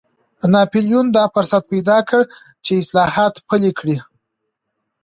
ناپلیون دا فرصت پیدا کړ چې اصلاحات پلي کړي.